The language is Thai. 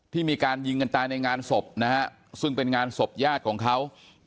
มีการยิงกันตายในงานศพนะฮะซึ่งเป็นงานศพญาติของเขา